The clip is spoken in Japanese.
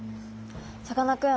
さかなクン